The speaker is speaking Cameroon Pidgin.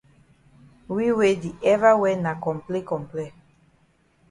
We we di ever wear na comple comple.